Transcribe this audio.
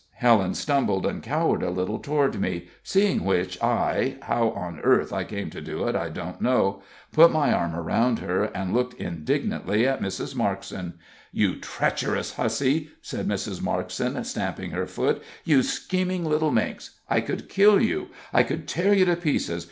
Helen stumbled and cowered a little toward me, seeing which I how on earth I came to do it I don't know put my arm around her, and looked indignantly at Mrs. Markson. "You treacherous hussy!" said Mrs. Markson, stamping her foot "you scheming little minx! I could kill you! I could tear you to pieces!